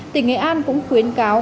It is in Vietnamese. tỉnh nghệ an cũng khuyến cáo